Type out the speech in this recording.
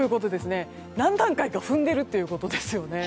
何段階か、踏んでいるということです。